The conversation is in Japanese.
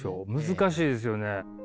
難しいですよね。